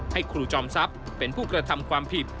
ครูจอมทรัพย์เป็นผู้กระทำความผิด